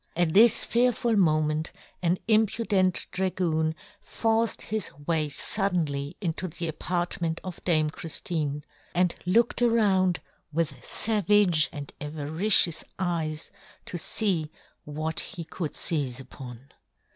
At this fearful moment an impudent dragoon forced his way fuddenly into the apartment of Dame Chriftine, and looked around with favage and avari cious eyes to fee what he could feize upon.